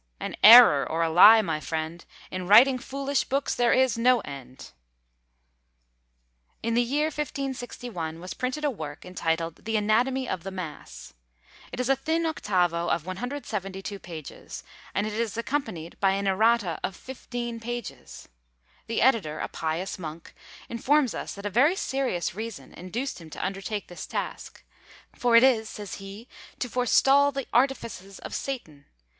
an error, or a lie, my friend! In writing foolish books there is no End! In the year 1561 was printed a work, entitled "the Anatomy of the Mass." It is a thin octavo, of 172 pages, and it is accompanied by an Errata of 15 pages! The editor, a pious monk, informs us that a very serious reason induced him to undertake this task: for it is, says he, to forestal the artifices of Satan.